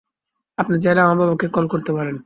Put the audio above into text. আপনি চাইলে আমার বাবাকে কল করতে পারেন।